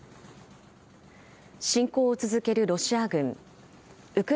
侵攻を続けるロシア軍。